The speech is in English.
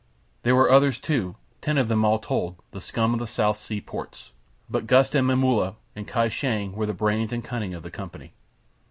There were others, too, ten of them all told, the scum of the South Sea ports; but Gust and Momulla and Kai Shang were the brains and cunning of the company.